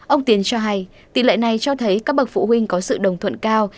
ông tiến cho hay tỷ lệ này cho thấy các bậc phụ huynh có sự đồng thuận cao